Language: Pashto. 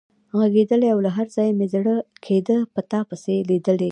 غږېدلای او له هر ځایه مې چې زړه کېده په تا پسې لیدلی.